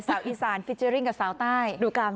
สาวอีสานฟิชเจอริงกับสาวใต้